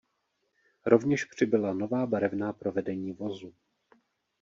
Rovněž přibyla nová barevná provedení vozu.